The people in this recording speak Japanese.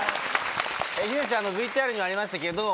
日菜ちゃんＶＴＲにもありましたけど。